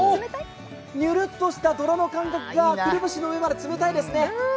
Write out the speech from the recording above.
にゅるっとした泥の感覚が、くるぶしの上まで冷たいですね。